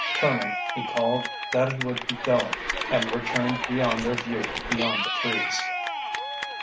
Turning, he called that he would get going, and returned beyond their view beyond the trees.